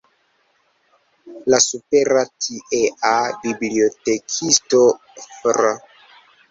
La supera tiea bibliotekisto Fr.